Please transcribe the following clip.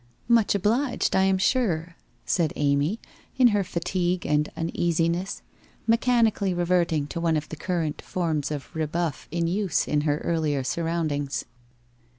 ' Much obliged, I am sure,' said Amy, in her fatigue and uneasiness, mechanically reverting to one of the cur rent forms of rebuff in use in her earlier surroundings.